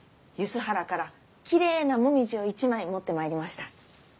梼原からきれいな紅葉を一枚持ってまいりました。